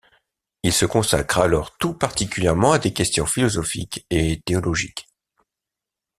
Il se consacre alors tout particulièrement à des questions philosophiques et théologiques.